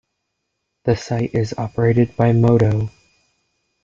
The site is operated by Moto.